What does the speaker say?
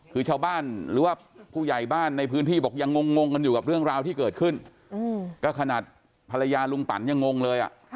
คือชาวบ้านหรือว่าผู้ใหญ่บ้านในพื้นที่บอกยังงงกันอยู่กับเรื่องราวที่เกิดขึ้นก็ขนาดภรรยาลุงปันยังงงเลย